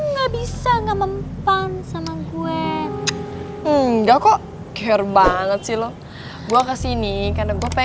tapi itu cerdik